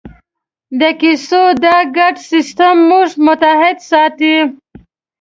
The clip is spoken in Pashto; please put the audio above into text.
د کیسو دا ګډ سېسټم موږ متحد ساتي.